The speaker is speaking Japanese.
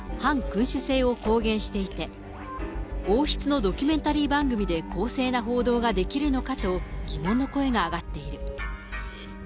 実はこの人物、かねてから、反君主制を公言していて、王室のドキュメンタリー番組で公正な報道ができるのかと疑問の声が上がっている。